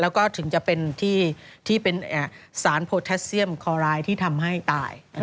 แล้วก็ถึงจะเป็นที่เป็นสารโพแทสเซียมคอรายที่ทำให้ตาย